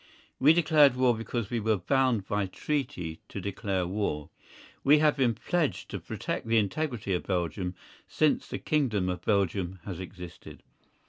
We declared war because we were bound by treaty to declare war. We have been pledged to protect the integrity of Belgium since the kingdom of Belgium has existed.